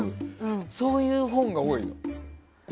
そういう本が多いの。